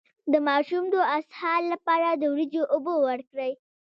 د ماشوم د اسهال لپاره د وریجو اوبه ورکړئ